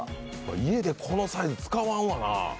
家でこのサイズ使わんわな。